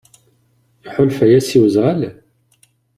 Iḥulfa-yas i wezɣal?